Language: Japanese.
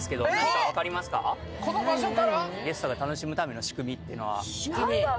ゲストが楽しむための仕組みっていうのは。